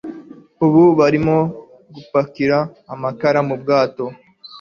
Ubu barimo gupakira amakara mu bwato.